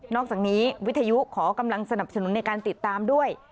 อกจากนี้วิทยุขอกำลังสนับสนุนในการติดตามด้วย